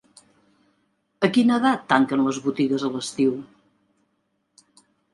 A quina edat tanquen les botigues a l'estiu?